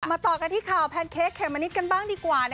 ต่อกันที่ข่าวแพนเค้กเขมมะนิดกันบ้างดีกว่า